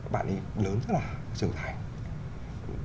bạn ấy lớn rất là trưởng thành